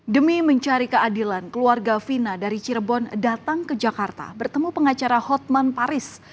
demi mencari keadilan keluarga fina dari cirebon datang ke jakarta bertemu pengacara hotman paris